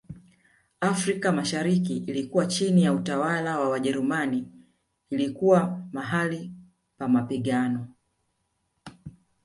Afrika mashariki ilikuwa chini ya utawala wa Wajerumani ilikuwa mahali pa mapigano